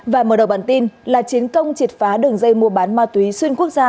và mở đầu bản tin là chiến công triệt phá đường dây mua bán ma túy xuyên quốc gia